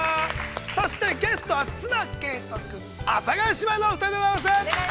そしてゲストは、綱啓永君阿佐ヶ谷姉妹のお二人でございます。